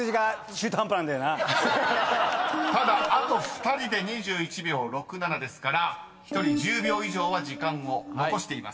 ［ただあと２人で２１秒６７ですから１人１０秒以上は時間を残しています］